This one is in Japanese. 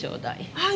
はい。